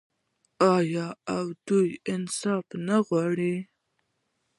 آیا او دوی انصاف نه غواړي؟